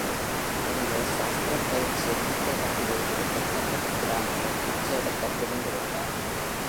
எனவே சாஸ்திரப் பயிற்சியை மூட்டை கட்டி வைத்துவிட்டு, பக்கத்துக் கிராமங்களில் பிச்சை எடுக்கத் துணிந்து விட்டார்.